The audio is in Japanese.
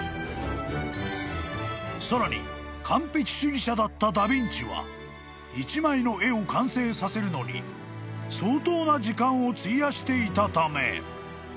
［さらに完璧主義者だったダ・ヴィンチは１枚の絵を完成させるのに相当な時間を費やしていたため］